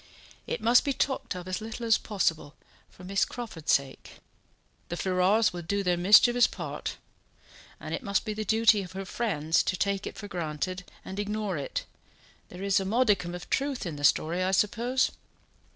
It must be talked of as little as possible, for Miss Crawford's sake. The Ferrars will do their mischievous part; and it must be the duty of her friends to take it for granted and ignore it; there is a modicum of truth in the story, I suppose?"